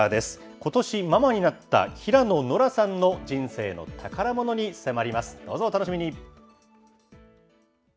ことしママになった平野ノラさんの人生の宝ものに迫ります。